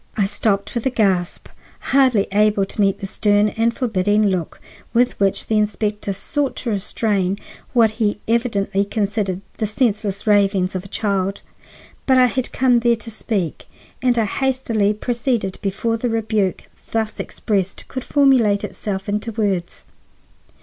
I stopped with a gasp, hardly able to meet the stern and forbidding look with which the inspector sought to restrain what he evidently considered the senseless ravings of a child. But I had come there to speak, and I hastily proceeded before the rebuke thus expressed could formulate itself into words.